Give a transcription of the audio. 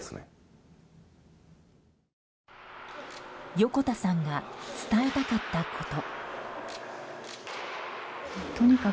横田さんが伝えたかったこと。